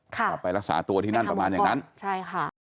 กลับไปรักษาตัวที่นั่นประมาณอย่างนั้นใช่ค่ะ